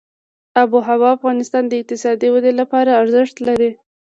آب وهوا د افغانستان د اقتصادي ودې لپاره ارزښت لري.